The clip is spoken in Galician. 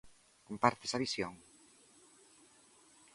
Comparte esa visión?